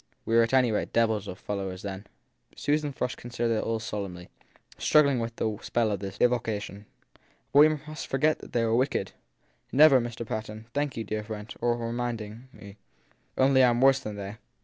We were at any rate devils of fellows then ! Susan Frush considered it all solemnly, struggling with the spell of this evocation. But must we forget that they were wicked ? Never ! Mr. Patten laughed. Thank you, dear friend, for reminding me. Only I m worse than they